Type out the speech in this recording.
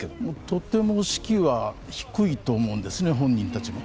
とても士気は低いと思うんですね、本人たちも。